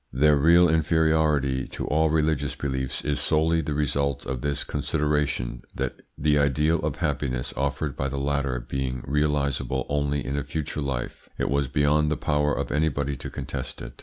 Their real inferiority to all religious beliefs is solely the result of this consideration, that the ideal of happiness offered by the latter being realisable only in a future life, it was beyond the power of anybody to contest it.